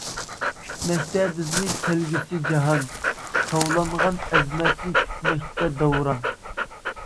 كۈتمەكتە بىزنى كەلگۈسى جاھان، تاۋلانغان ئەزىمەتنى كۈتمەكتە دەۋران.